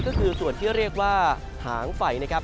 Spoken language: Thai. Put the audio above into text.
ก็คือส่วนที่เรียกว่าหางไฟนะครับ